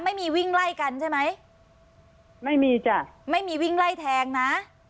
ไม่มีวิ่งไล่กันใช่ไหมไม่มีจ้ะไม่มีวิ่งไล่แทงนะ